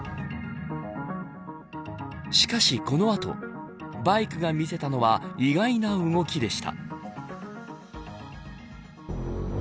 しかし、この後バイクが見せたのは意外な動きでした。